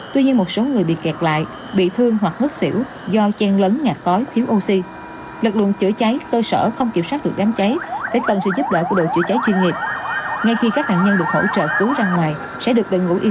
tuy nhiên một số người bị kẹt lại bị thương hoặc hứt xỉu do chen lớn ngạc khói thiếu oxy